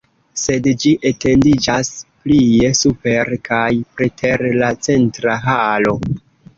Sed ĝi etendiĝas plie super kaj preter la centra halo.